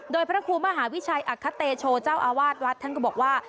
โดยพระครูมหาวิชัยอัคเตโชเจ้าอาวาสวัดท่านก็บอกว่า